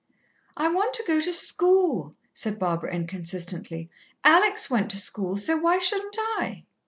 "I want to go to school," said Barbara inconsistently. "Alex went to school, so why shouldn't I?"